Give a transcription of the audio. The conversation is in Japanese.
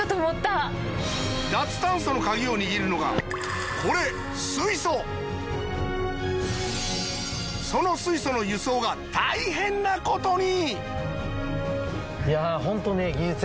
脱炭素のカギを握るのがこれその水素の輸送が大変なことに！